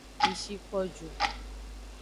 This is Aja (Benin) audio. Mi shi ko ju.